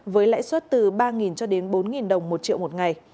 với lãi suất từ ba cho đến bốn đồng một triệu một ngày